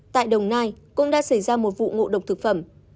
tại đồng nai cũng đã xảy ra một vụ ngộ độc thực phẩm